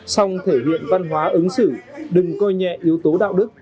song thể hiện văn hóa ứng xử đừng coi nhẹ yếu tố đạo đức